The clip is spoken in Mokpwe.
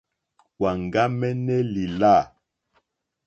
Wàŋɡámɛ́nɛ́ lìlâ.